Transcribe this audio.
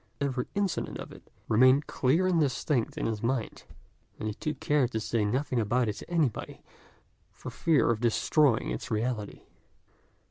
Every incident of it, however, remained clear and distinct in his mind, and he took care to say nothing about it to anybody, for fear of destroying its reality.